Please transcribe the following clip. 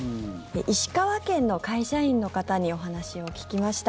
石川県の会社員の方にお話を聞きました。